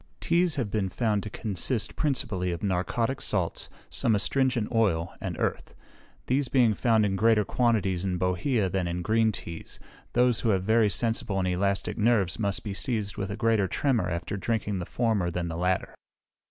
Teas have been found to consist principally of narcotic salts, some astringent oil, and earth. These being found in greater quantities in bohea than in green teas, those who have very sensible and elastic nerves must be seized with a greater tremor after drinking the former than the latter.